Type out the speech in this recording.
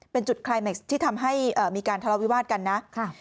เป็นจุดคลายเม็กซ์ที่ทำให้มีการทะเลาวิวาสกันนะ